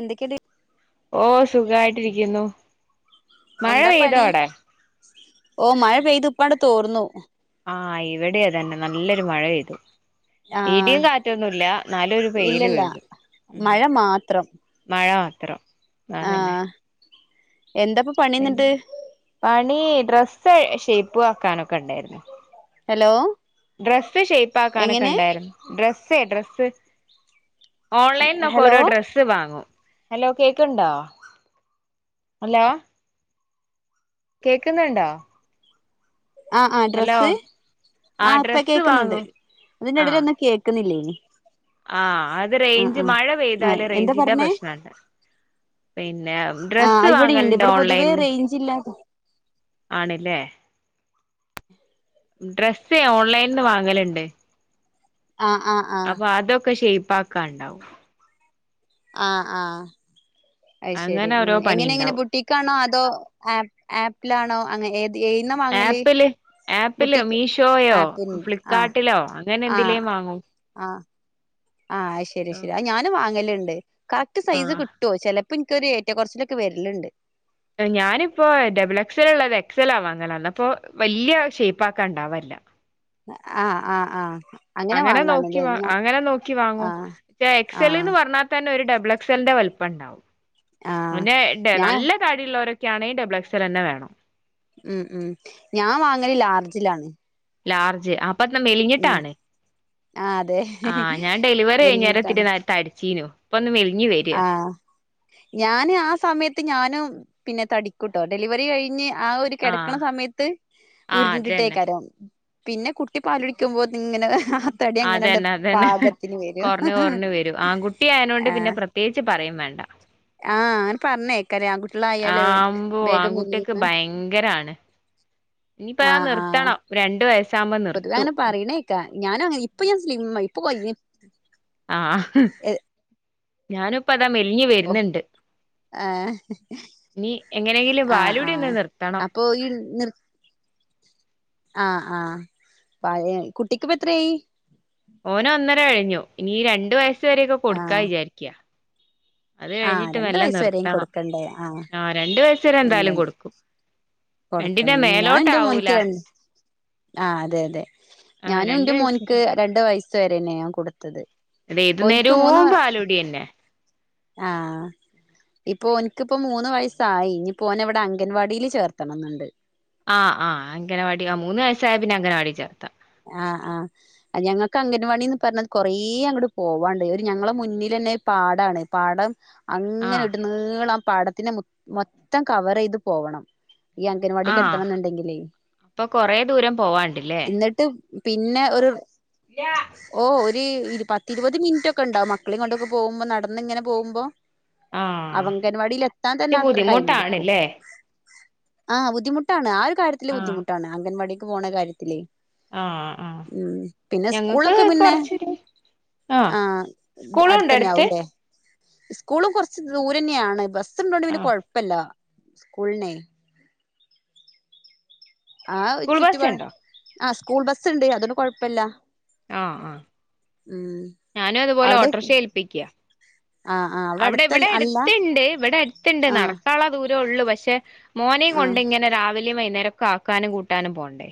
എന്തൊകെണ്ട് ഓ ശുഖമായിട്ടിരിക്കുന്നു എന്താ പണി ഓ മഴ പെയ്ത് പ്പാണ്ട് തോർന്നു ആഹ് ഇവടി അത് തന്നെ നല്ലൊരു മഴ പെയ്തു ആ ഇട്യും കാറ്റൊന്നുല്ല ന്നാലു ഒര് പെയ്യല് ഇല്ലല്ല പെയ്തു മഴ മഴ മാത്രം അതന്നെ ആഹ് എന്താപ്പ പിന്നെ പണിന്നിട്ട് പണി ഡ്രസ്സ് ഷേപ്പ് ആക്കാനൊക്കെ ണ്ടായിര്ന്നു ഹലോ ഡ്രസ്സ് ഷേപ് ആക്കാനൊക്കെ എങ്ങനെ ണ്ടേര്ന്നു ഡ്രസ്സേ ഡ്രസ്സ് ഓൺലൈൻ നോക്കോ ഹലോ ഓരോ ഡ്രസ് സ്സ് വാങ്ങു ഹലോ കേക്ക്ണ്ടോ ഹലോ കേക്ക്ന്ന്ണ്ടോ ആഹ് ആഹ് ഡ്രസ്സ് ആ പ്പ ഡ്രസ്സ് കേൾക്ക്ന്ന്ണ്ട് വാങ്ങും ഇതിന്റെ എടെല് ഒന്നും കേക്ക്ന്നില്ലേനി. ആഹ് അത് റേഞ്ച് മഴ ആ പെയ്താല് എന്താ റേഞ്ചിന്റെ പറഞ്ഞേ പ്രശ്നണ് പിന്നെ ഡ്രസ്സ് വാങ്ങൽണ്ട് ഓൺലൈൻ റേയ്ഞ്ചില്ലാ ആണ്ലെ ഡ്രസ്സെ ഓൺലൈൽന്ന് വാങ്ങല്ണ്ട് ആഹ് അഹ് അപ്പൊ അതൊക്കെ ഷേയ്പ് ആക്കാണ്ടാവും ആഹ് ആഹ് അയ് അങ്ങനെ ശെരിഉം ഓരോ എങ്ങനെ എങ്ങനെ പണിണ്ടാവും പൊ ട്ടിക്കാണോ അതോ ആ ആപ്പ്ലാണോ അങ്ങ ഏത് ഏയ്ന്ന വാങ്ങല്? ആപ്പില് ആപ്പില് ബുട്ടീക്ക് മീഷോയോ ആപ്പിൽ നിന്ന്. ആ ഫ്ലിപ്പ്കാർട്ടിലോ അങ്ങനെ എന്തിലേം വാങ്ങും ആഹഹ് ശെരി ശെരി ആ ഞാനും വാങ്ങല്ണ്ട് കറക്റ്റ് സൈസ് ആഹ് കി ട്ടോ ചെലപ്പോ എറ്റ ക്കൊറ്ച്ചില് ഒക്കെ വെര്ല്ണ്ട്. ഞാനിപ്പോ ഡബിൾ എക്സൽ ള്ളത് എക്സലാ വാങ്ങല് അന്നപ്പൊ വല്ല്യ ഷേപ്പ്ക്കാ ണ്ടാവല്ല ആഹ് ആഹ് ആഹ് അങ്ങനെ നോക്കി വാങ്ങാണല്ലേ വാ ഞാ അങ്ങനെ നോക്കി വാങ്ങും ആഹ് പ എക്സല്ന്ന് ആഹ് പർണ തന്നെ ഒരു ഡബിൾ എക്സൽന്റെ വല്പ്പം ണ്ടാവും ആഹ് അന്നെ ഞാൻ നല്ലെ തടി ള്ളോരൊക്കെ ആണെ ഡബിൾ എക്സൽ ന്നെ വേണം ഉം ഉം ഞാ വാങ്ങല് ലാർജിലാണ് ലാർജ് അപ് പ്പതാ ഉം മെലിഞ്ഞിട്ടാണ് ആഹ് അതെ ആ ഞാ ഡെലിവറി കഴിഞ്ഞെരെ പിന്നെ മെലിഞ്ഞിട്ടാണ് തട് തടിച്ചീനു ഇപ്പൊന്ന് മെലിഞ്ഞ് വെര് ആ ഞാന് ആ സമയത്ത് ഞാനും പിന്നെ തടിക്കൂട്ടോ ഡെലിവറി കഴിഞ്ഞ് ആഹ് ഒരു കെടക്ക്ണ ആഹ് സമയത്ത് ആഹ് അതന്നെ ഉരുണ്ട്ട്ടേക്കരം പിന്നെ കുട്ടി പാലുടിക്കുമ്പോതിൻ ങ്ങനെ അത് ന്നെ അത് ന്നെ കൊർണ് കൊർണ് വെരും ആകുട്ടി ആയ്നോണ്ട് ആ പിന്നെ പ്രത്യേകി [unintelligible] പറയും വേണ്ടാ ആഹ് അങ്ങനെ പറഞ്ഞേക്കാലേ ആൺകുട്ടികളായാല് ആമ്പോ വേഗം ആൺകുട്ടിയൾക്ക് മെലിയുന്ന് ഭയങ്കരാണ് ഇനിയിപ്പ അത് ആഹ് ആഹ് നിർത്തണം രണ്ട് വയസ്സാവുമ്പോ നിർത്തും ക്ക ഞാനും അങ്ങനെ ഇപ്പ ഞാൻ സ്ലിമ്മായി ഇപ്പൊ കൊഴ ആഹ്, ഞാനിപ്പതാ മെൽഞ്ഞ് ഓഹ് വര്ന്ന്ണ്ട് ഏഹ് നീ എങ്ങനെയെങ്കിലും പാലുടി ഒന്ന് നിർത്തണം ഓഹ് ഇയ്യ് നിർ ആഹ് ആഹ് പായായി. കുട്ടിക്ക്പ്പെത്രായി ഓന് ഒന്നര കഴിഞ്ഞു, ഇനി ഈ രണ്ട് വയസ്സ് വരെയൊക്കെ കൊടുക്ക ആഹ് വിചാരിക്ക അത് ആഹ് കഴിഞ്ഞ്ട്ട് രണ്ട് മെല്ലെ വയസ്സ് വരെയും നിർത്തണം. കൊടുക്കണ്ടേ ആഹ് രണ്ട് വയസ്സ് വരെ ഉണ്ട് എന്താലും കൊടുക്കും രണ്ടിൻ്റെ കൊടുക്കണം ഞാൻ എന്റെ മേലോട്ടാവൂല മോൻക്ക് രണ്ട് ആഹ് അതെ അതെ, ആഹ് ഞാനും രണ്ട് ഇന്റെ വയസ്സ് മോൻക്ക് രണ്ട് വയസ്സ് വരെന്നെ ഞാൻ കൊടുത്തത് ഇത് ഏത് ഇപ്പോൻക്ക് മൂന്ന് നേരോം പാലുടിയന്നെ ആഹ് ഇപ്പ ഓൻക്ക്പ്പോ മൂന്ന് വയസായി ഇനിപ്പൊ ഓനവടെ അംഗൻവാടീല് ചേർത്തണംന്ന്ണ്ട് ആഹ് ആഹ് അങ്കലവാടി ആഹ് മൂന്ന് വയസ്സായ പിന്നെ അംഗലവാടി ചേർത്താ ആഹ് ആഹ് ആഹ് ഞങ്ങക്ക് അംഗൻവാടിന്ന് പറഞ്ഞത് കൊറേ അങ്ങട്ട് പോവാണ്ട്. ഒര് ഞങ്ങളെ മുന്നിലെന്നെ ഒര് പാടാണ്. പാടം അങ്ങനെ ആഹ് ഇട്നീളം പാടത്തിനെ മു മൊത്തം കവറെയ്ത് പോവണം ഈ ആഹ് അംഗൻവാടീക്കെത്തണന്ന്ണ്ടെങ്കിലേ അപ്പൊ കൊറേ ദൂരം പോവാണ്ടില്ലേ ഇന്ന ട്ട് പിന്നെ ഒരു ഇല്ലാ ഓഹ് ഒര് ഇരു പത്തിരുപത് മിൻറ്റൊക്കെണ്ടാവും മക്കളീം കൊണ്ടൊക്കെ പോവുമ്പോ നടന്നിങ്ങനെ പോവുമ്പോ ആഹ് അവൻഗലവാടീലെത്താൻ തന്നെ ഇച്ചി അത്ര ടൈമ്ട്ക്കും ബുദ്ധിമുട്ടാണ്ല്ലേ ആഹ് ബുദ്ധിമുട്ടാണ് ആ ഒര് കാര്യത്തില് ആഹ് ബുദ്ധിമുട്ടാണ് അംഗൻവാടിക്ക് പോണ കാര്യത്തിലേ ആഹ് ആഹ് ഹ്മ്മ് പിന്നെ ഞങ്ങക്ക് സ്കൂളൊക്കെ പിന്നെ കൊറച്ചൊരു ആഹ് സ്കൂളുണ്ടോ അടുത്ത് അട്ത്തഞ്ഞാവുലെ സ്കൂളും കൊറച്ച് ദൂരന്നെയാണ്, ബസ്സ് ഇണ്ടോണ്ട് പിന്നെ ആഹ് കൊഴപ്പല്ല സ്കൂൾനെ ആഹ് ഒര് സ്കൂൾ ചുറ്റ്പാ ബസ്സുണ്ടോ ആഹ് സ്കൂൾ ബസ്സ്ണ്ട് അതോണ്ട് കൊഴപ്പല്ല ആഹ് ആഹ് ഉം ഞാനും അതുപോലെ ഓട്ടർക്ഷെ ഏൽപ്പിക്കാ ആഹ് ആഹ് അവടെ ഇവടെ എട്ത്ത്ണ്ട് ഇവടെ എട്ത്ത്ണ്ട് ആ നടക്കാള്ള ദൂരൊള്ളു. പക്ഷെ മോനിം ആ കൊണ്ട് ഇങ്ങനെ രാവിലിം വൈകുന്നേരൊക്കെ ആക്കാനും കൂട്ടാനും പോണ്ടേ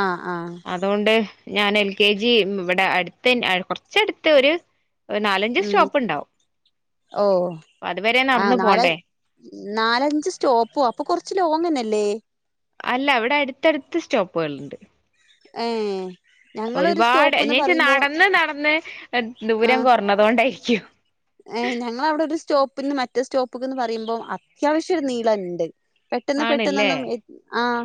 ആഹ് ആഹ് അതോണ്ട് ഞാൻ എൽ കെ ജി ഹ്മ്മ് ഇവടെ അട്ത്തന്നെ അട് കൊറ്ച്ചട്ത്ത് ഒര് ഒരു നാലഞ്ച് ഉം സ്റ്റോപ്പ്ണ്ടാവും. ഓ അപ്പ അത് വരെ ആ നടന്നു നാല പോണ്ടേ നാലഞ്ച് സ്റ്റോപ്പോ അപ്പ കൊറ്ച്ച് ലോങ്ങഞ്ഞല്ലേ അല്ല ഇവടട്ത്തട്ത്ത് സ്റ്റോപ്പുകള്ണ്ട് ഏഹ് ഒരുപാട് എന്നുയ്ച്ചാ നടന്ന് നടന്ന് ദൂരം കൊറ്ഞ്ഞതൊണ്ടായിരിക്കും ഏഹ് ഞങ്ങളവടെ ഒര് സ്റ്റോപ്പ്ന്ന് മറ്റേ സ്റ്റോപ്പ്ക്ക്ന്ന് പറിമ്പോ അത്യാവിശൊരു നീളണ്ട് പെട്ടെന്ന് ആണല്ലേ പെട്ടെന്നൊന്നും എ ആഹ്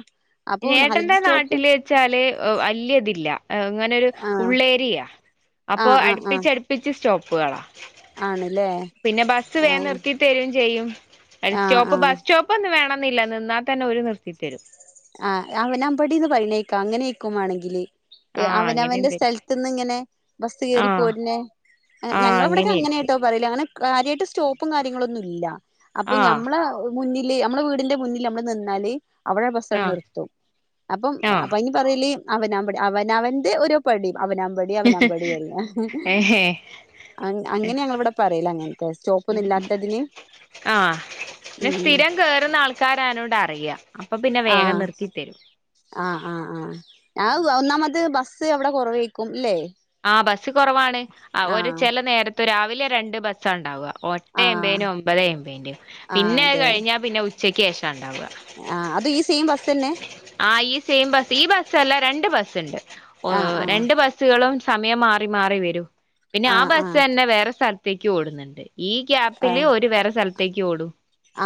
ഏട്ടന്റെ നാട്ടില് വെച്ചാല് ഏഹ് വല്യതില്ല ഏഹ് ഇങ്ങനൊരു ആ ഉള്ളേരിയയാ അപ്പോ ആഹ് ആഹ് ആഹ് അട്പ്പിച്ചട്പ്പിച്ച് സ്റ്റോപ്പുകളാ, ആണ്ല്ലേ പിന്നെ ബസ്സ് വേ ആഹ് നിർത്തി ത്തെരേം ചെയ്യും. അയിന് ആഹ് സ്റ്റോപ്പ് ആഹ് ബസ് സ്റ്റോപ്പൊന്നും വേണംന്നില്ല നിന്നാ തന്നെ ഓല് നിർത്തി തരും. ആഹ് അവനാപടിന്ന് പറിണേക്കാം. അങ്ങനേക്കുംമാണെങ്കില്. ആഹ് അങ്ങനെ അവനവൻറെ എന്തായിരിക്കും സ്ഥലത്ത്ന്ന്ങ്ങനെ ബസ് കേറി ആഹ് പോര്ണ് അെ ആഹ് ഞങ്ങളവ്ടൊക്കെ അങ്ങനെയിരിക്കും അങ്ങനാട്ടോ പറില് അങ്ങനെ കാര്യട്ട് സ്റ്റോപ്പും കാര്യങ്ങളൊന്നുല്ല അപ്പൊ ആഹ് ഞമ്ള് മുന്നില് അമ്മളെ വീടിന്റെ മുന്നില് അമ്മള് നിന്നാല് അവിടെൺ ആഹ് നിർത്തും അപ്പം ആഹ് അപ്പൊ അയ്നി പറയല് അവനവ അവനവന്റെ ഒരു പടി അവനാമ്പടി അവനാമ്പടി ഏഹേ അങ്ങനെ ഞങ്ങളിവിടെ പറയല അങ്ങനെ ആഹ് ന്ന ഉം സ്ഥിരം കേറുന്ന ആൾക്കാരാവോണ്ട് അറിയാ അപ്പൊ പിന്നെ വേഗം ആഹ് നിർത്തി തരും ആഹ് ആഹ് ആഹ് ഞാൻ ഒന്നാമത് ബസ്സ് അവിടെ കുറവേക്കും അല്ലേ ആഹ് ബസ്സ് കുറവാണ് ആ ഒരു ചെല നേരത്ത് രാവിലെ രണ്ട് ബസ്സ ഉണ്ടാവ ഒട്ടെ ആഹ് എമ്പേനും ഒമ്പത് എമ്പേന്റെയും ആഹ് പിന്നെ അത് അതെ കഴിഞ്ഞാ പിന്നെ ഉച്ചക്ക് ശേഷ ഉണ്ടാവുക ആഹ് അതും ഈ സെയിം ബസ്സെന്നെ ആ ഈ സെയിം ബസ് ഈ ബസ്സല്ല രണ്ട് ബസ്സ് ഉണ്ട് ആഹ് ആഹ് രണ്ട് ബസ്സുകളും സമയം മാറി മാറി വരും പിന്നെ ആ ആഹ് ബസ്സ് ആഹ് തന്നെ വേറെ സ്ഥലത്തേക്ക് ഓടുന്നുണ്ട് ഈ ഈ ക്യാപ്പില് ഒരു വേറെ സ്ഥലത്തേക്ക് ഓടും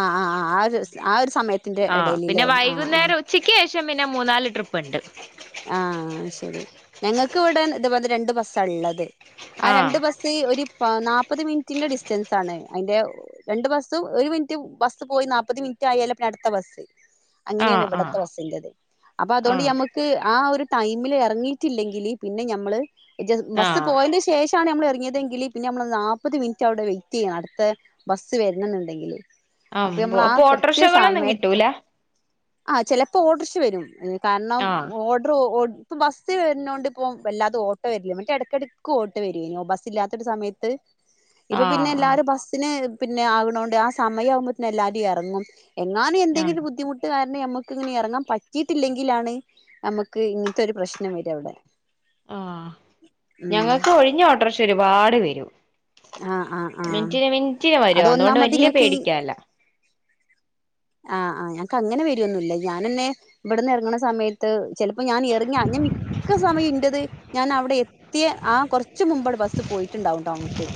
ആ ആ ആ ആ ഒരു ആ ഒരു സമയത്തിന്റെ ആ ഇടയില് പിന്നെ ല്ലേ ആഹ് ആ വൈകുന്നേരം ഉച്ചക്ക് ശേഷം പിന്നെ മൂന്നാല് ട്രിപ്പ്ണ്ട് ആ ശരി ഞങ്ങൾക്ക് ഇവിടെ ഇത് പോലെ രണ്ട് ബസ്സാ ഉള്ളത് ആ രണ്ട് ബസ് ഒരു നാപ്പത് മിനിറ്റിന്റെ ഡിസ്റ്റൻസ് ആണ് അതിന്റെ രണ്ടു ബസ്സും ഒരു മിനിറ്റ് ബസ്സ് പോയി നാല്പ്പത് മിനിറ്റ് ആയാലേ പിന്നെ അടുത്ത ബസ്സ് ആ അങ്ങനെയാണ് ആ ഇവിടത്തെ ആ വസ്സ്ള്ളത് അപ്പൊ അതുകൊണ്ട് ആ മ്മക്ക് ആ ഒരു ടൈമിൽ ഇറങ്ങിയിട്ടില്ലെങ്കിൽ പിന്നെ ഞമ്മള് ബസ് പോയതിന് ശേഷം ണ് നമ്മൾ ഇറങ്ങിയതെങ്കിൽ പിന്നെ നമ്മള് നാല്പ്പത് മിനിറ്റ് അവിടെ വെയിറ്റ് ചെയ്യണം അടുത്ത ബസ് വരണ ന്നുണ്ടെങ്കില് ആ അപ്പൊ നമ്മള ആ കൃത്യ ഓട്ടോറിക്ഷകളൊന്നും സമയത്ത് കിട്ടൂല ആ ചിലപ്പോഔട്ടോര് ക്ഷ വരും കാരണം ആ ഓഡർഓ ഇപ്പം ബസ്സ് വരുന്നോണ്ട് ഇപ്പം വല്ലാതെ ഓട്ടോ വരില്ല മറ്റേ ഇടക്കിടക്ക് ഇക് ഔട്ടോ വരോന്നു ബസ് ഇല്ലാത്തൊ രു സമയത്ത് ഇപ്പൊ ആ പിന്നെ ആ എല്ലാരും ബസ്സിന് പിന്നെ ആക്ണോണ്ട് ആ സമയം ആകുമ്പോത്തിന് എല്ലാരും ഇറങ്ങും എങ്ങാനും ആ എന്തെങ്കിലും ഒരു ബുദ്ധിമുട്ട് കാരണം ഞമ്മക്ക് ഇങ്ങനെ ഇറങ്ങാൻ പറ്റിയിട്ടില്ലെങ്കിലാണ് നമുക്ക് ഇങ്ങനത്തെൊരു പ്രശ്നം വര അവിടെ ആഹ് ഉം ഞങ്ങക്ക് ഒഴിഞ്ഞ ഓട്ട്രക്ഷ ഒരുപാട് വരും ആഹ് ആഹ് ആഹ് മിനിറ്റിന് മിനിറ്റിന് വരും അത് അതുകൊണ്ട് ഒന്നാമത് വലിയ ഇങ്ങക്ക് ഈ പേടിക്കാല്ല ആഹ് ആ ഞങ്ങക്ക് അങ്ങനെ വരൊന്നുല്ല ഞാൻപിന്നെ ന ഇവിടുന്ന് ഇറങ്ങണ സമയത്ത് ചിലപ്പോ ഞാൻ എറങ്ങ ഞാൻ മിക്ക സമയം ഇന്റത് ഞാൻ അവിടെ എത്തിയ ആ കുറച് മുമ്പടെ ബസ്സ് പോയിട്ടുണ്ടാവും ടൗണി ക്ക്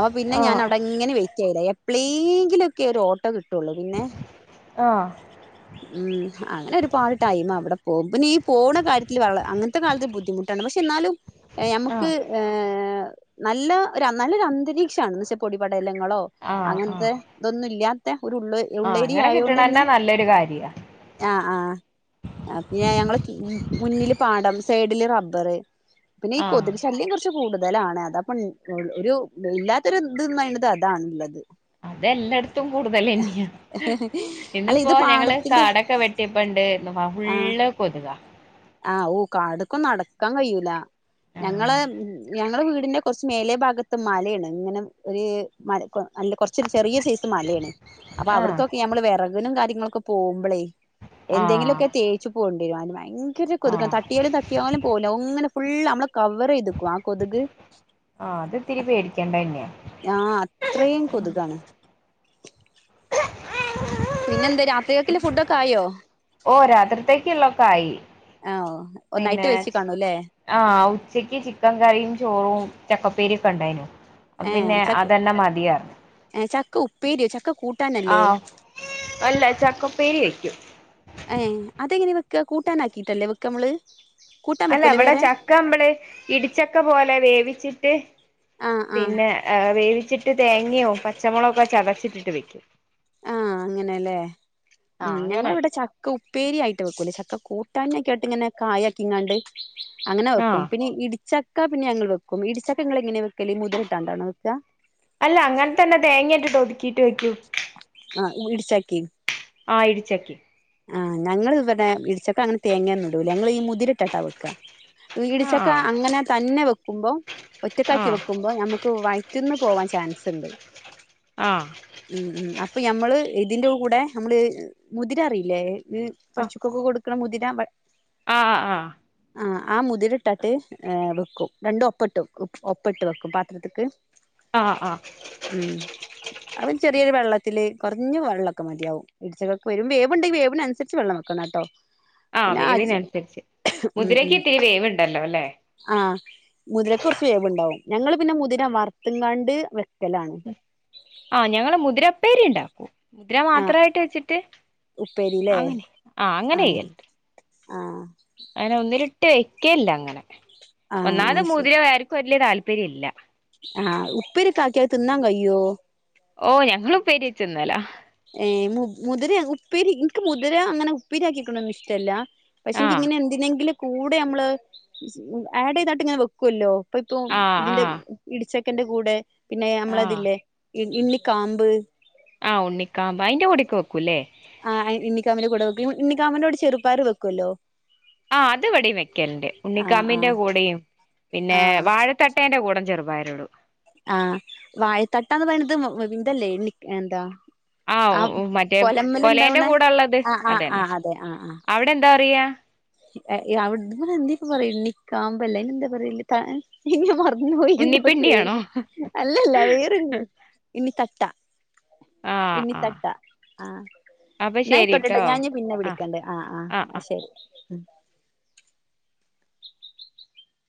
അവ പിന്നെ ആ ഞാനവിടെ ഇങ്ങനെ വെയ്റ്റെയ്യല എപ്പഴളെ ങ്കിലൊക്കെ ഒരു ഓട്ടോ കിട്ടുള്ളൂ പിന്നെ ആഹ് ഉം അങ്ങനെ ഒരുപാട് ടൈം അവിടെ പോകും പിന്നെ ഈ പോണ കാര്യത്തിൽ അങ്ങനത്തെ കാലത്ത് ബുദ്ധിമുട്ട് [unintelligible] പക്ഷെ ന്നാലും ആ ഞമുക്ക് നല്ല ഒരു നല്ലൊരു അന്തരീക്ഷാണ് പൊടിപടലങ്ങളോ ആഹ് ആഹ് അങ്ങനത്തെ ഇതൊന്നും ഇല്ലാത്ത ഒരു ഉള്ള ആഹ് ഉള്ളേരി അങ്ങനെ കിട്ടണന്നെ ആയോണ്ട്ന്നെ നല്ലൊരു കാര്യാ ആഹ് ആഹ് ആ പിന്നെ ഞങ്ങളെ മുന്നില് പാടം സൈഡില് റബ്ബർ പിന്നെ ഈ ആഹ് കൊതു ക് ശല്യം കുറച്ച് കുറച്ച് കൂടുതലാണ് അത് അപ്പം ഒരു ഇല്ലാത്തരു ഇതന് പറയണത് അതാണുള്ളത് അതെല്ലായിടത്തും കൂടുതൽ തന്നെയ അല്ല ഇന്നിപ്പോ ഇത് ഞങ്ങള് പാടത്തിന്റെ കാടൊക്കെ വെട്ടിയപ്പണ്ട് ആഹ് ഫുള്ള് കൊതുകാ ആഹ് ഓ കാട്ക്കും അട്ക്കാൻ കയൂല ആഹ് ഞങ്ങളെ ഞങ്ങളെ വീടിന്റെ കുറച്ച് മേലെ ഭാഗത്ത് മലയാണ് ഇങ്ങനെ ഒരു മല കുറച് ഒരു ചെറിയ സൈസ് മലയാണ് അപ്പൊ ആഹ് അവിട്ക്കൊക്കെ നമ്മള് വിറകിനും കാര്യങ്ങളൊക്കെ പോകുമ്പോളേ ആഹ് എന്തെങ്കിലുമൊക്കെേ തേ ച്ചു പോണ്ടിവരും ഭയങ്കര കൊതുകാ ആഹ് തട്ടിയാലുംത ട്ട്യാലും പോകൂല അങ്ങനെ ഫുളള് നമ്മളെ കവർ ചെയ്ത്ക്കും ആ കൊതുക് ആഹ് അത് ഇത്തിരി പേടിക്കേണ്ടത് തന്നെയാ ആഹ് അത്രയും കൊതുകാണ് പിന്നെന്ത് രാത്രികക്കുള്ള ഫുഡൊക്കായോ ഓഹ് രാത്രിത്തേക്കുള്ളൊക്കായി ആ ഒന്നായിട്ട് പിന്നെ വെച്ച് കാണൂല്ലേ ആഹ് ഉച്ചയ്ക്ക് ചിക്കൻ കറിയും ചോറും ചക്കപ്പേരി ഒക്കെ ഒണ്ടായിനു ഏഹ് ചക്കു എ ചക്ക ഉപ്പേരി ചക്ക കൂട്ട് ആഹ് അല്ല ചക്കപ്പേരി വെയ്ക്കും ഏഹ് അതെങ്ങനെ വെക്ക കൂട്ടാനാക്കിട്ടല്ലേ വെക്കമ്മള് കൂട്ടാൻ വെക്കുല്ലേ വേറെ ക്കമ്മള് ഇടിച്ചക്ക പോലെ വേവിച്ചിട്ട് ആ ആ പിന്നെ വേവിച്ചിട്ട് തേങ്ങയോ പച്ച മൊളകോ ചതച്ചിട്ടിട്ട് വെക്കും ആഹ് അങ്ങനെല്ലേ ഉം ആഹ് ഞങ്ങളിവിടെ അങ്ങനെണ്ട് ച ക്ക ഉപ്പേരി ആയിട്ട് വെക്കൂല ചക്ക കൂട്ടാനെക്കെ ആയിട്ട് ഇങ്ങനെ കായക്കിങ്ങാണ്ട് അങ്ങനെ വെക്കും ആഹ് പിന്നെ ഇടിച്ച ക്ക പിന്നെ ഞങ്ങള് വെക്കും ഇടിച്ചക്ക ങ്ങള് എങ്ങനെ വെക്കല് മുതിര ഇട്ടാണ്ടാണോ വെക്ക അല്ല അങ്ങനെ തന്നെ തേങ്ങയിട്ടിട്ട് ഒതുക്കീട്ട് വെക്കും ആഹ് ഇട്ചക്കും ആഹ് ഇടിച്ചക്കിം ആഹ് ഞങ്ങള് ഇവടെ ഇടിച്ചക്ക അങ്ങനെ തേങ്ങെന്നുടൂല ഞങ്ങള് ഈ മുതിര ഇട്ടട്ടാ വെക്കാ തുടിച്ചക്ക ആഹ് അങ്ങനെ തന്നെ വെക്കുമ്പോ ഒറ്റക്കാക്കി ആഹ് വെക്കുമ്പോ നമ്മക്ക് വയറ്റിന്ന് പോവാൻ ചാൻസ് ഇണ്ട് ആഹ് ഉം ഉം അപ്പൊ ഞമ്മള് ഇതിന്റെ കൂടെ ഞമ്മള് മുതിര അറിയി ല്ലേ പശുക്കൊക്ക് കൊടുക്കുന്ന മുതിര ബ ആഹ് ആഹ് ആഹ് ആഹ് ആ മുതിര ഇട്ടാട്ട് വെക്കും രണ്ടും ഒപ്പട്ട് വെക്കും ഒപ്പട്ട് വെക്കും പാത്രത്തിക്ക് ആഹ് ആഹ് ഉം അത് ചെറിയൊരു വെള്ളത്തില് കൊറഞ്ഞ വെള്ളൊക്കെ മതിയാവും ഇടിച്ചക്കക്ക് വരും വേവും വേവ്ണ്ട് വേവിനനുസരിച്ച് വെളളം വെക്കണോട്ടോ ആഹ് വേവിനനുസരിച്ച് മുതിരയ്ക്ക് ഇത്തി വേവ് ഇണ്ടല്ലോല്ലേ ആഹ് മുതിരക്കുറച്ച് വേവുണ്ടാവും ഞങ്ങള് പിന്നെ മുതിര വറുത്തുങ്ങാണ്ട് വെക്കലാണ് ആഹ് ഞങ്ങള് മുതിരപ്പേരി ഉണ്ടാക്കും മുതിര ആ മാത്രായിട്ട് വെച്ചിട്ട് ഉപ്പേരില്ലേ അങ്ങനെ ആഹ് അങ്ങനെ ചെയ്യല് ആഹ് അങ്ങനെ ഒന്നിലിട്ട് വെക്കലില്ലങ്ങനെ ആ ഒന്നാമത് മുതിര വേർ ക്ക് വല്ല്യ താല്പര്യല്ല ആഹ് ഉപ്പേരിയൊക്കെ ആക്കിയ തിന്നാൻ കയ്യോ ഓഹ് ഞങ്ങള് ഉപ്പേരി വെച്ച്ന്നല ഏ, മുതിര ഉപ്പേരി ഇന്ക് മുതിര അങ്ങനെ ഉപ്പേരി ആക്കി വെക്കണൊന്നു ഇഷ്ടമല്ല. പക്ഷേ ആഹ് എന്തിനെയെങ്കിലും കൂടെ നമ്മൾ ആഡെതിയി ട്ട് ഇങ്ങനെ വെക്കുവല്ലോ. പ്ളിപ്പൊ, ആഹ് ഇതിന്റെ ആഹ് ഇടിച്ചക്കെന്റെ കൂടെ പിന്നെ ആഹ് അമ്മളതില്ലേ ഇ ഇണ്ണിക്കാമ്പ് [unintelligible] ആ, ഉണ്ണിക്കാമ്പ് അയിന്റെ പൊടിയൊക്കെ വെക്കൂല്ലേ. ആ, ഇ ഇണ്ണിക്കാമ്പിനെ കൂടെ വെക്കും. ഇണ്ണിക്കാബിന്റെ കൂടെ ചെറുപയർ വെക്കുല്ലോ. ആ, അത് ഇവിടെയും വെക്കലുണ്ട്. ആ ഉണ്ണിക്കാമ്മിന്റെ കൂടെയും പിന്നെ ആ വാഴ തട്ടേന്റെ കൂടെ ചെറുപയറിടും. ആ, വായത്തട്ടാന്ന് പറയണത് വ് വ് ഇതല്ലേ നിക് എന്താ ആ, ആഹ് മറ്റേ കൊലേമ്മല് കൊലേന്റെ ഇണ്ടാവണേ കൂടെ ഉള്ളത് ആ, ആ, അതന്നെ അതെ ആ, ആ. അവിടെ എന്താ പറയാ ഏയ്, ഏയ് അവിടുത്തര് എന്തിര് പറയിണ്ണി കാമ്പല്ലേ എന്താ പറയില് ക എഹ്. ഇനി അ, മറന്നുപോയി എന്തോരു പേര്. ഉണ്ണിപ്പിണ്ടിയാണോ അല്ലല്ല വേറെ ഇനി തട്ട ആഹ് ഇണി ആഹ് തട്ട ആ. അപ്പൊ ഇന്നായിക്കോട്ടെട്ടോ, ശരിട്ടോ ഞാന് പിന്നെ ആഹ് വിളിക്കണ്ട് ആ, ആഹ് ആ, ആഹ് ശരി. [inaudible]